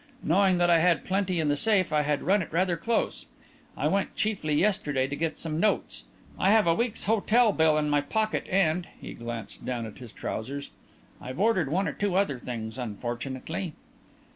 Knowing that I had plenty in the safe, I had run it rather close. I went chiefly yesterday to get some notes. I have a week's hotel bill in my pocket, and" he glanced down at his trousers "I've ordered one or two other things unfortunately."